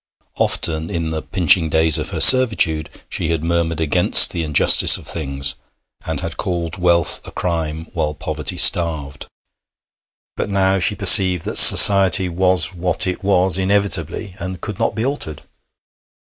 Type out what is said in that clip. Often, in the pinching days of her servitude, she had murmured against the injustice of things, and had called wealth a crime while poverty starved. But now she perceived that society was what it was inevitably, and could not be altered.